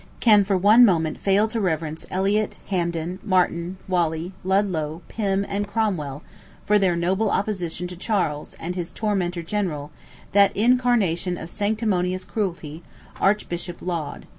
can for one moment fail to reverence Eliot, Hampden, Marten, Whalley, Ludlow, Pym, and Cromwell for their noble opposition to Charles and his tormentor general, that incarnation of sanctimonious cruelty, Archbishop Laud.